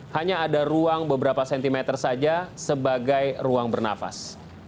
hanya ada ruang beberapa sentimeter saja sebagai ruang bernafas